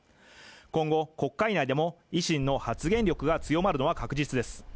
今後、国会内でも維新の発言力が強まるのは確実です。